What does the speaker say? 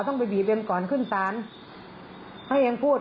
นี่ฮะ